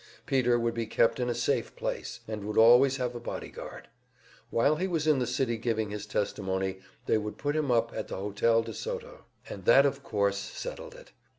Peter would be kept in a safe place, and would always have a body guard. While he was in the city, giving his testimony, they would put him up at the Hotel de Soto. And that of course settled it.